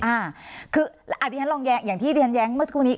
อ่าคืออาจารย์ลองแย้งอย่างที่อาจารย์แย้งเมื่อสักครู่นี้